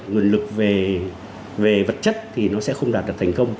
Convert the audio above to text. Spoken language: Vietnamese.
nguồn lực về vật chất thì nó sẽ không đạt được thành công